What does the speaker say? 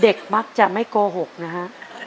เด็กมักจะไม่โกหกนะฮะ